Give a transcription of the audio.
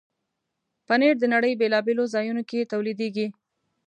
پنېر د نړۍ بیلابیلو ځایونو کې تولیدېږي.